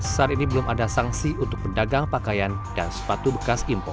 saat ini belum ada sanksi untuk pedagang pakaian dan sepatu bekas impor